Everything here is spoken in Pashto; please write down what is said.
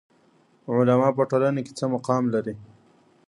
علما په ټولنه کې څه مقام لري؟